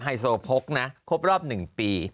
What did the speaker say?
ไฮโซพกนะครบรอบ๑ปี